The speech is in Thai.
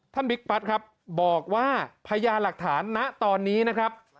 บิ๊กปั๊ดครับบอกว่าพยานหลักฐานณตอนนี้นะครับ